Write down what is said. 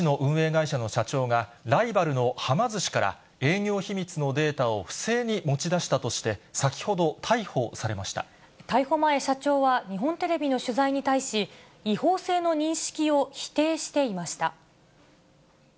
会社の社長が、ライバルのはま寿司から営業秘密のデータを不正に持ち出したとし逮捕前、社長は日本テレビの取材に対し、違法性の認識を否定していました。